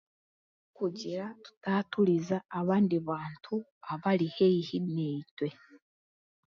Kugira tutaaturiza abandi bantu abari haihi naitwe.